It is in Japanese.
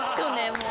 もう。